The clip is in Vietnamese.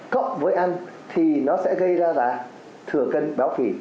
cộng với ăn thì nó sẽ gây ra là thừa cân béo phì